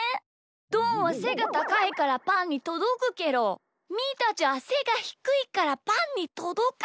どんはせがたかいからパンにとどくけどみーたちはせがひくいからパンにとどかないんだ。